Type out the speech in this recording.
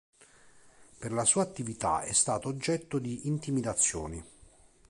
Per la sua attività è stato oggetto di intimidazioni.